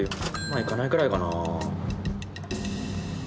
万いかないくらいかな。